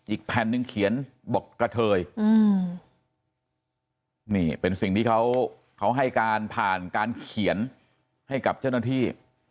แผ่นหนึ่งเขียนบอกกระเทยนี่เป็นสิ่งที่เขาให้การผ่านการเขียนให้กับเจ้าหน้าที่